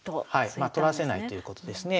まあ取らせないということですね。